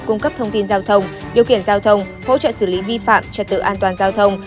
cung cấp thông tin giao thông điều kiện giao thông hỗ trợ xử lý vi phạm trật tự an toàn giao thông